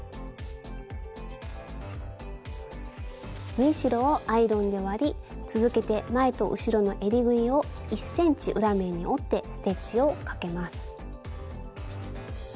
縫い代をアイロンで割り続けて前と後ろのえりぐりを１ｃｍ裏面に折ってステッチをかけます。